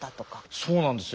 そうなんですよ。